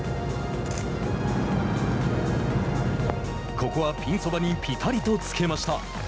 ここはピンそばにぴたりとつけました。